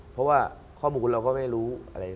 เพราะว่าข้อมูลเราก็ไม่รู้อะไร